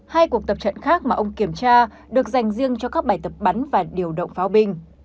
hai cuộc tập trận khác mà ông kiểm tra được dành riêng cho các bài tập bắn và điều động pháo binh